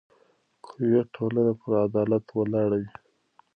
قوي ټولنه پر عدالت ولاړه وي